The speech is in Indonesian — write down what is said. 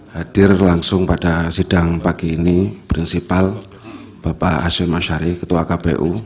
hadir langsung pada sidang pagi ini prinsipal bapak hashim ashari ketua kpu